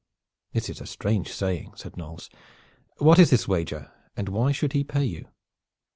"This is a strange saying," said Knolles. "What is this wager, and why should he pay you?"